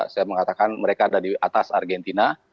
saya mengatakan mereka ada di atas argentina